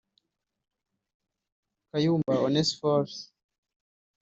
Kayumba Onesphore